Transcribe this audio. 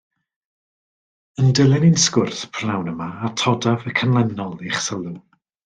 Yn dilyn ein sgwrs prynhawn yma, atodaf y canlynol i'ch sylw